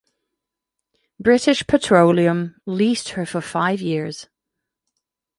British Petroleum leased her for five years.